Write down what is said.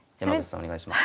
お願いします。